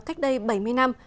cách đây bảy mươi năm